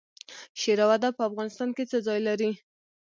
شعر او ادب په افغانستان کې څه ځای لري؟